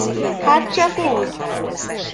Hát csak úgy.